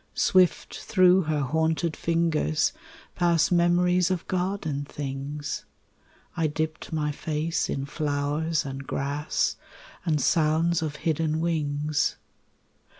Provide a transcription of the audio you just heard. Swift through her haunted fingers pass Memories of garden things; I dipped my face in flowers and grass And sounds of hidden wings.